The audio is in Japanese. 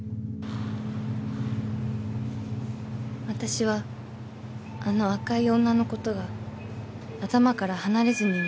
［私はあの赤い女のことが頭から離れずにいました］